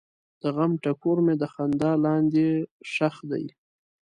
د غم ټکور مې د خندا لاندې ښخ دی.